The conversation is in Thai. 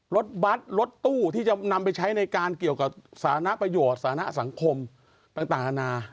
รถบัตรรถตู้ที่จะนำไปใช้ในการเกี่ยวกับสารประโยชน์สานะสังคมต่างนานา